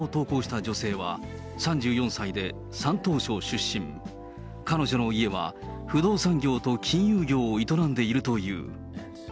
中国メディアによると、動画を投稿した女性は、３４歳で山東省出身、彼女の家は不動産業と金融業を営んでいるという。